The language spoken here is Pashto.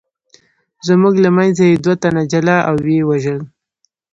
زموږ له منځه یې دوه تنه جلا او ویې وژل.